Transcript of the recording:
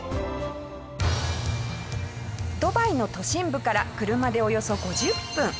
ドバイの都心部から車でおよそ５０分。